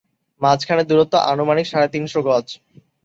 মাঝখানে দূরত্ব আনুমানিক সাড়ে তিন শ গজ।